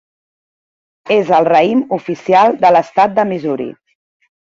És el raïm oficial de l'estat de Missouri.